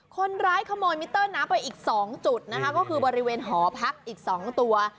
คนร้ายขโมยมิเตอร์น้ำไปอีก๒จุดนะคะก็คือบริเวณหอพักอีก๒ตัว